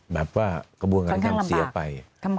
แบบว่ากระบวนการคำเสียไป